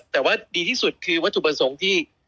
แต่ว่าดีที่สุดคือวัตถุประสงค์ที่